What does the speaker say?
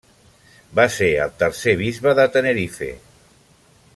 Va ser el tercer bisbe de Tenerife.